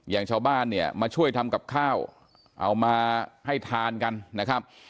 อย่างชาวบ้านเนี่ยมาช่วยทำกับข้าวเอามาให้ทานกันนะครับ